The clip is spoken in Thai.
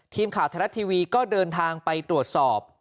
ทีมข่าวไทยรัฐทีวีก็เดินทางไปตรวจสอบ